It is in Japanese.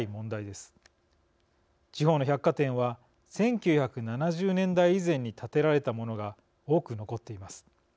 地方の百貨店は１９７０年代以前に建てられたものが多く残っています。